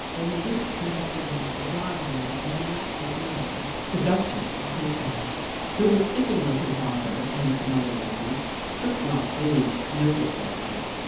When the Duke conducted him to the drawing room and announced his name, "the Duchess," he says, "who was sitting with her daughter and some other ladies, took not the least notice of me.